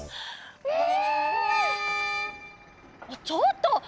ちょっと！